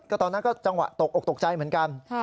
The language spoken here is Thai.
ตอนนั้นก็จังหวะตกอกตกใจเหมือนกัน